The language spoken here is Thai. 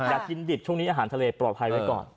อยากกินดิบช่วงนี้อาหารทะเลปลอดภัยไว้ก่อน